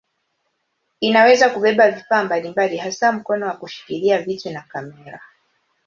Inaweza kubeba vifaa mbalimbali hasa mkono wa kushikilia vitu na kamera.